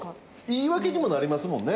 言い訳にもなりますもんね。